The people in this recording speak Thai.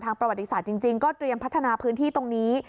ประวัติศาสตร์จริงก็เตรียมพัฒนาพื้นที่ตรงนี้